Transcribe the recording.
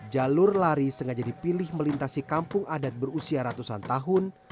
jalur lari sengaja dipilih melintasi kampung adat berusia ratusan tahun